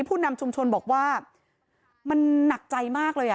ผู้นำชุมชนบอกว่ามันหนักใจมากเลยอ่ะ